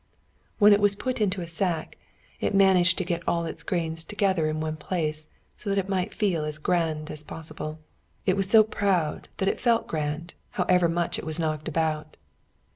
When it was put into a sack, it managed to get all its grains together in one place, so that it might feel as grand as possible. It was so proud that it felt grand, however much it was knocked about.